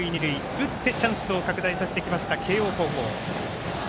打って、チャンスを拡大させてきました、慶応高校。